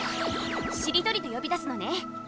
しりとりでよび出すのね。